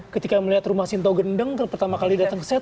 ketika melihat rumah sinto gendeng pertama kali datang set